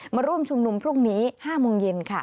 มาร่วมชุมนุมพรุ่งนี้๕โมงเย็นค่ะ